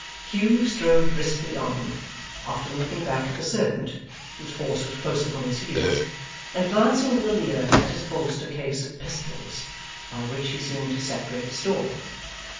Hugh strode briskly on, often looking back at the servant, whose horse was close upon his heels, and glancing with a leer at his holster case of pistols, by which he seemed to set great store.